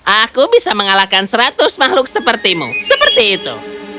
aku bisa mengalahkan seratus makhluk sepertimu seperti itu